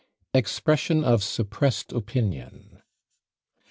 EXPRESSION OF SUPPRESSED OPINION.